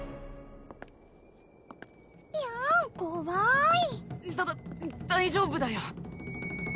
やん怖いだだ大丈夫だよ